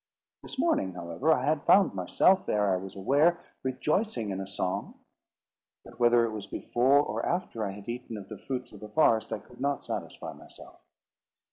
This morning, however, I had found myself, ere I was aware, rejoicing in a song; but whether it was before or after I had eaten of the fruits of the forest, I could not satisfy myself.